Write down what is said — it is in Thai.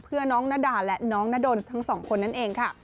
เพื่อน้องนาดาและน้องนาดนทั้งสองคนนั่นเองค่ะ